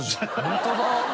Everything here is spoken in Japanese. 本当だ！